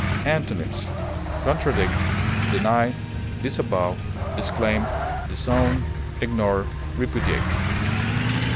Antonyms: contradict, deny, disavow, disclaim, disown, ignore, repudiate.